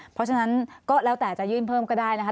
เพราะฉะนั้นก็แล้วแต่จะยื่นเพิ่มก็ได้นะคะ